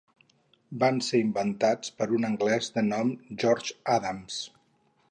Van ser inventats per un anglès de nom George Adams.